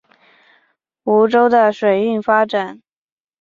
梧州的水运发达。